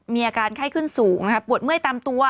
มีอาการไข้ขึ้นสูงปวดเมื่อยตามตัว